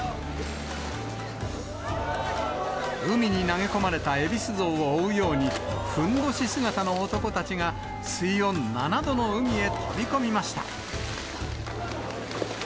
海に投げ込まれたえびす像を追うように、ふんどし姿の男たちが、水温７度の海へ飛び込みました。